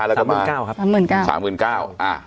๔๕๐๐แล้วก็มา